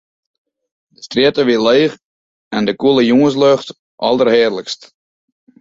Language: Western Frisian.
De strjitte wie leech en de koele jûnslucht alderhearlikst.